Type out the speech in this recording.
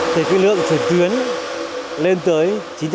thì quy lượng chuyển tuyến lên tới chín trăm linh